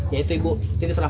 yaitu ibu cik maimunah